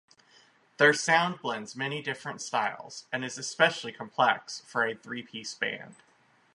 Their sound blends many different styles, and is especially complex for a three-piece band.